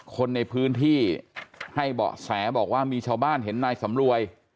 คนในพื้นที่ให้เบาะแสบอกว่ามีชาวบ้านเห็นนายสำรวย